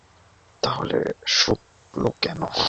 তাহলে শুকনো কেন?